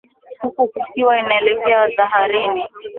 huku kukiwa inaeleweka dhahiri